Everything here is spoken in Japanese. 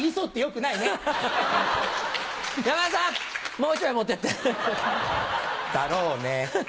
もう１枚持ってって。だろうね。